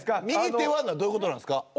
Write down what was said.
右手はどういうことなんですか？